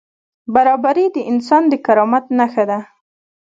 برابري د انسان د کرامت نښه ده.